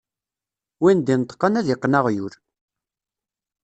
Win d-ineṭqen, ad iqqen aɣyul.